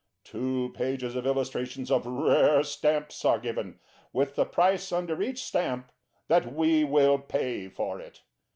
Two pages of illustrations of rare stamps are given, with the price under each stamp that we will pay for it.